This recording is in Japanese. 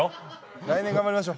来年頑張りましょう。